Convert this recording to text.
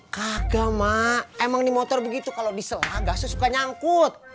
kagak mak emang di motor begitu kalau diselaga saya suka nyangkut